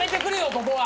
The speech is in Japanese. ここは。